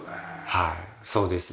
はいそうですね。